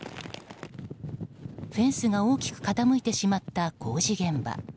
フェンスが大きく傾いてしまった工事現場。